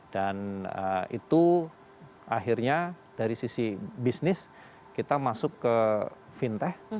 dan itu akhirnya dari sisi bisnis kita masuk ke fintech